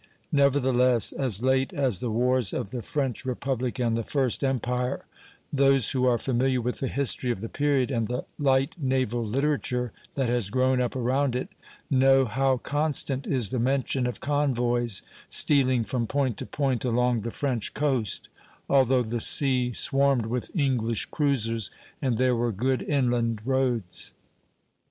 Nevertheless, as late as the wars of the French Republic and the First Empire, those who are familiar with the history of the period, and the light naval literature that has grown up around it, know how constant is the mention of convoys stealing from point to point along the French coast, although the sea swarmed with English cruisers and there were good inland roads.